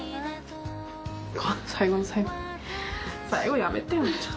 最後の最後に最後やめてよちょっと。